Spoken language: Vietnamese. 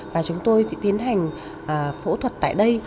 và chúng tôi tiến hành phẫu thuật tại đây